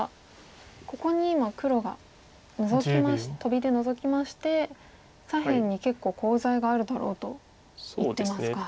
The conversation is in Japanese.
ここに今黒がトビでノゾきまして左辺に結構コウ材があるだろうと言ってますか。